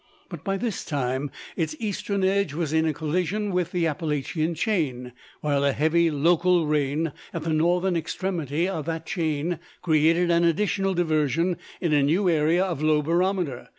But by this time its eastern edge was in collision with the Appalachian chain; while a heavy local rain at the northern extremity of that chain created an additional diversion in a new area of low barometer.